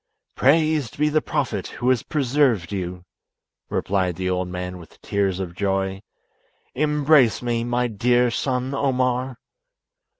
"Praised be the Prophet who has preserved you! replied the old man with tears of joy. "Embrace me, my dear son Omar!"